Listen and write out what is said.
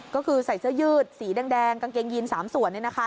ก็คือใส่เสื้อยืดสีแดงกางเกงยีนสามส่วนเลยนะคะ